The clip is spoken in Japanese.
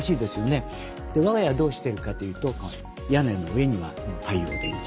我が家はどうしてるかというと屋根の上には太陽電池。